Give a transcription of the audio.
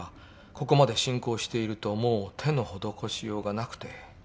ここまで進行しているともう手の施しようがなくて